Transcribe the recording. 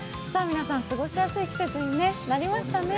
皆さん、過ごしやすい季節になりましたね。